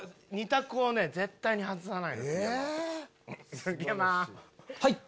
２択をね絶対に外さないの杉山は。